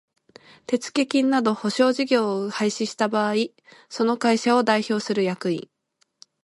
手付金等保証事業を廃止した場合その会社を代表する役員